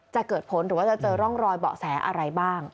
จะเกิดผลหรือว่าจะเจอร่องรอยเบาะแสอะไรบ้าง